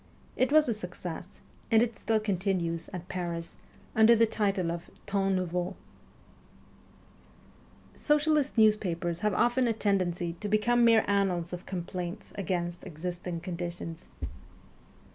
It was a success, and it still continues, at Paris, under the title of ' Temps Nou veaux.' Socialist newspapers have often a tendency to be come mere annals of complaints about existing condi tions.